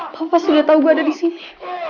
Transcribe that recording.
papa pasti udah tau gue ada disini